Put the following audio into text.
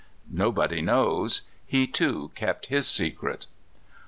Nobody knows. He too kept his secret.